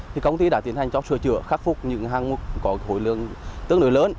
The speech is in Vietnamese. thì công ty đã tiến hành cho sửa chữa khắc phục những hàng có khối lượng tương đối lớn